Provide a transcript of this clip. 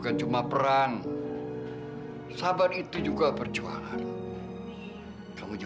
aku harus cari petah itu